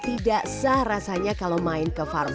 tidak se rasanya kalau menonton film film di jerman